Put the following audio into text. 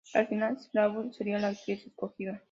Al final, Lansbury sería la actriz escogida.